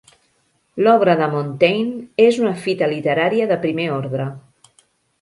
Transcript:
L'obra de Montaigne és una fita literària de primer ordre.